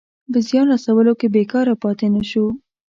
په زیان رسولو کې بېکاره پاته نه شو.